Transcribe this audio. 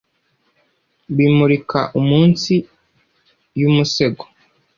bimurika umunsi yumusego